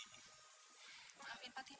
aku balik dulu ya